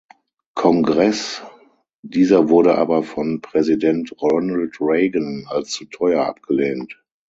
Kongress, dieser wurde aber von Präsident Ronald Reagan als zu teuer abgelehnt.